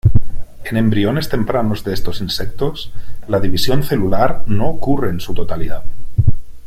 En embriones tempranos de estos insectos, la división celular no ocurre en su totalidad.